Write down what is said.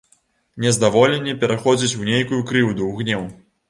Нездаволенне пераходзіць у нейкую крыўду, у гнеў.